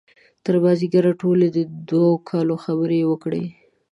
تر مازدیګر ټولې د دوه کالو خبرې یې وکړې.